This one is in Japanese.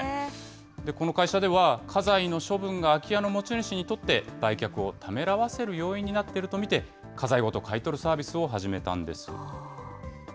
この会社では、家財の処分が空き家の持ち主にとって、売却をためらわせる要因になっていると見て、家財ごと買い取るサービスを始めたんです。